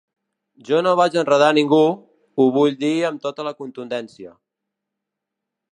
Jo no vaig enredar ningú, ho vull dir amb tota la contundència.